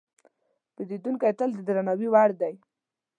پیرودونکی تل د درناوي وړ دی.